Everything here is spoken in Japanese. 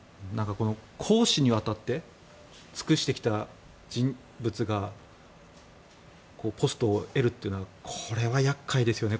公使にわたって尽くしてきた人物がポストを得るというのはこれは厄介ですよね。